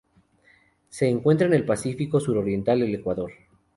Se encuentra en el Pacífico suroriental: el Ecuador.